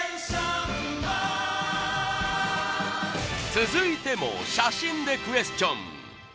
続いても写真でクエスチョン